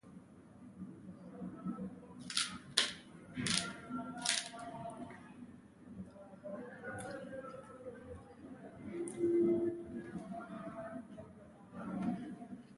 آیا تور، سور او شین د ملي بیرغ رنګونه نه دي؟